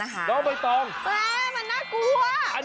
มันน่ากลัว